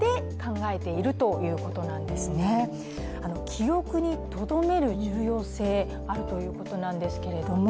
記憶にとどめる重要性、あるということなんですけれども。